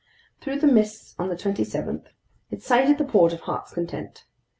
Through the mists on the 27th, it sighted the port of Heart's Content.